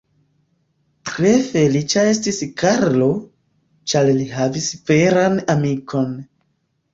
Tre feliĉa estis Karlo, ĉar li havis veran amikon.